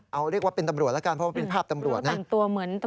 เอาเรียกว่าเป็นตำรวจแล้วกันเพราะว่าเป็นภาพตำรวจนะ